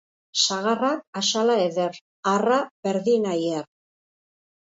Sagarrak axala eder, harra berdin aiher.